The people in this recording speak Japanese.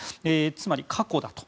つまり過去だと。